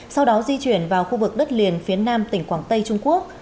sau đó di chuyển vào khu vực đất liền phía nam tỉnh quảng tây trung quốc